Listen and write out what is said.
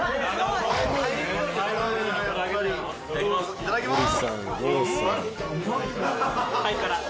いただきます。